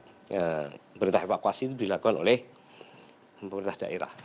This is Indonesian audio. ada undang undangnya bahwa pemerintah evakuasi itu dilakukan oleh pemerintah daerah